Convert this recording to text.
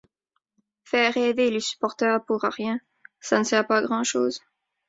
Faire rêver les supporters pour rien, ça ne sert pas à grand-chose.